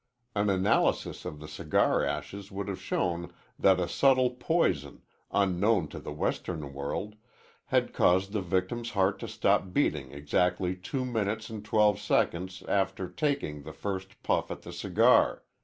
An analysis of the cigar ashes would have shown that a subtle poison, unknown to the Western world, had caused the victim's heart to stop beating exactly two minutes and twelve seconds after taking the first puff at the cigar.